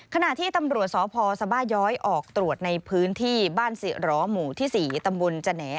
ขณะที่ตำรวจสพสบาย้อยออกตรวจในพื้นที่บ้านศิร้อหมู่ที่๔ตำบลจแหน่